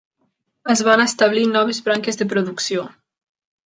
Es van establir noves branques de producció.